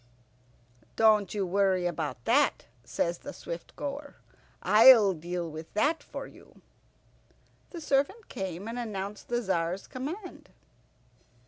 "Don't you worry about that," says the Swift goer, "I'll deal with that for you." The servant came and announced the Tzar's command.